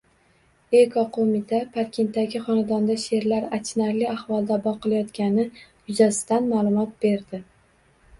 Ekoqo‘mita Parkentdagi xonadonda sherlar achinarli ahvolda boqilayotgani yuzasidan ma’lumot berdi